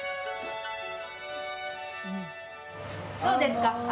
どうですか？